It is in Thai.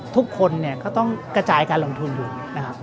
ทุกคนเนี่ยก็ต้องกระจายการลงทุนอยู่นะครับ